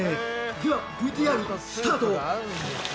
では、ＶＴＲスタート！